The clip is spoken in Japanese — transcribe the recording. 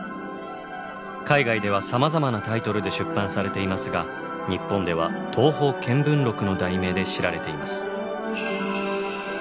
海外ではさまざまなタイトルで出版されていますが日本では「東方見聞録」の題名で知られています。